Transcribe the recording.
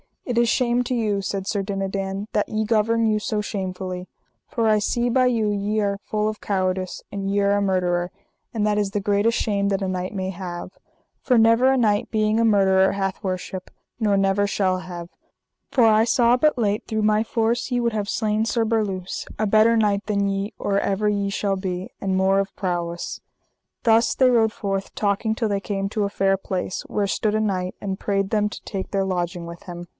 It is shame to you, said Sir Dinadan, that ye govern you so shamefully; for I see by you ye are full of cowardice, and ye are a murderer, and that is the greatest shame that a knight may have; for never a knight being a murderer hath worship, nor never shall have; for I saw but late through my force ye would have slain Sir Berluse, a better knight than ye, or ever ye shall be, and more of prowess. Thus they rode forth talking till they came to a fair place, where stood a knight, and prayed them to take their lodging with him.